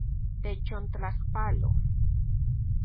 Techontlajpalo.